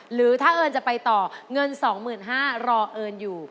หรือถ้าเอิญจะไปต่อเงิน๒๕๐๐บาทรอเอิญอยู่